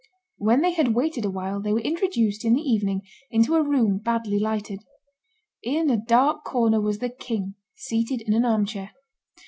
When they had waited a while, they were introduced, in the evening, into a room badly lighted. In a dark corner was the king, seated in an arm chair.